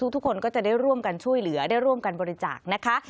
ทุกคนก็จะได้ร่วมกันช่วยเหลือได้ร่วมกันบริจาคนะคะ